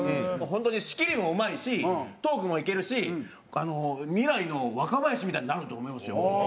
本当に仕切りもうまいしトークもいけるし未来の若林みたいになると思いますよ本当。